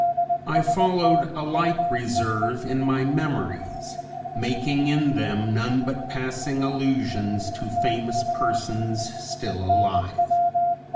I followed a like reserve in my "Memories," making in them none but passing allusions to famous persons still alive.